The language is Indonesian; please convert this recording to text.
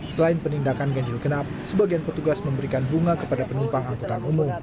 selain penindakan ganjil genap sebagian petugas memberikan bunga kepada penumpang angkutan umum